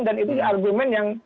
dan itu argumen yang